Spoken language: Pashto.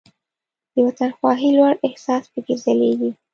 د وطن خواهۍ لوړ احساس پکې ځلیږي.